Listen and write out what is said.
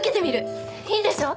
いいでしょう？